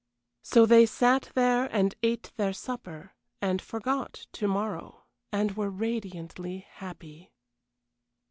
So they sat there and ate their supper, and forgot to morrow, and were radiantly happy.